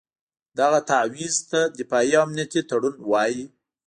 دغه تعویض ته دفاعي او امنیتي تړون وایي.